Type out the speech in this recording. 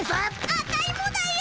アタイもだよ。